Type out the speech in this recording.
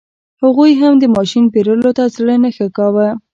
هغوی هم د ماشین پېرلو ته زړه نه ښه کاوه.